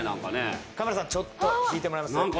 カメラさんちょっと引いてもらえます？